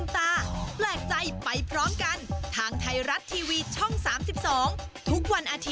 ด้าด้าด้าด้าคนชนะ